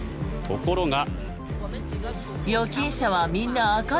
ところが。